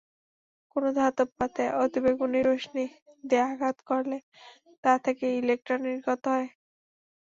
কোনো ধাতব পাতে অতিবেগুনি রশ্মি দিয়ে আঘাত করলে তা থেকে ইলেকট্রন নির্গত হয়।